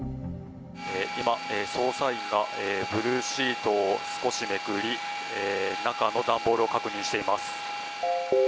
今、捜査員がブルーシートを少しめくり中の段ボールを確認しています。